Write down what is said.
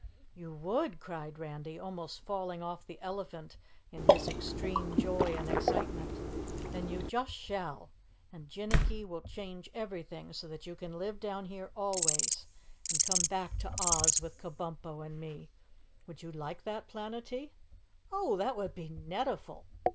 "You WOULD?" cried Randy, almost falling off the elephant in his extreme joy and excitement. "Then you just SHALL, and Jinnicky will change everything so you can live down here always and come back to Oz with Kabumpo and me! Would you like that, Planetty?" "Oh, that would be netiful!"